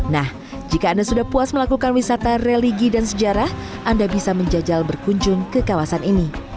nah jika anda sudah puas melakukan wisata religi dan sejarah anda bisa menjajal berkunjung ke kawasan ini